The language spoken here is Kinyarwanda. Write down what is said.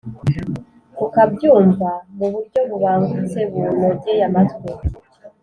ukabyumva mu buryo bubangutsebunogeye amatwi